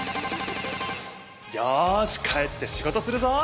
よし帰ってしごとするぞ！